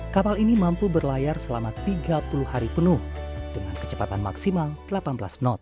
kapal ini mampu berlayar selama tiga puluh hari penuh dengan kecepatan maksimal delapan belas knot